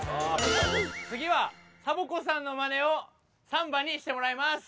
つぎはサボ子さんのマネをサンバにしてもらいます！